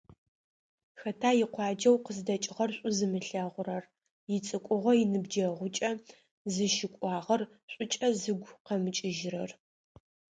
Хэта икъуаджэу къыздэкӏыгъэр шӏу зымылъэгъурэр, ицӏыкӏугъо - иныбжьыкӏэгъу зыщыкӏуагъэр шӏукӏэ зыгу къэмыкӏырэр?